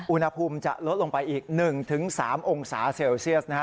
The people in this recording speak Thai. อุณหภูมิจะลดลงไปอีก๑๓องศาเซลเซียสนะฮะ